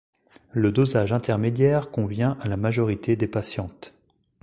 Le dosage intermédiaire convient à la majorité des patientes.